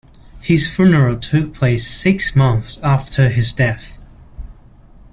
His funeral took place six months after his death.